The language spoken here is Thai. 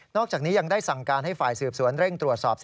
อกจากนี้ยังได้สั่งการให้ฝ่ายสืบสวนเร่งตรวจสอบ